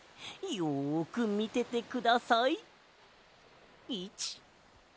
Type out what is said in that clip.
よくみててください。